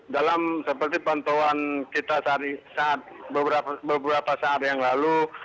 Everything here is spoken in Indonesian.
dalam seperti pantauan kita saat beberapa saat yang lalu